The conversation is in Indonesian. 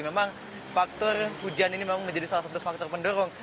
memang faktor hujan ini memang menjadi salah satu faktor pendorong